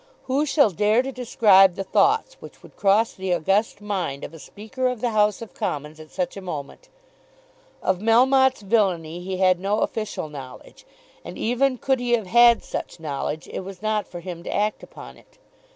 Who shall dare to describe the thoughts which would cross the august mind of a Speaker of the House of Commons at such a moment? Of Melmotte's villainy he had no official knowledge. And even could he have had such knowledge it was not for him to act upon it.